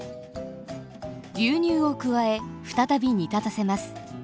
牛乳を加え再び煮立たせます。